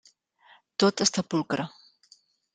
Tot està pulcre.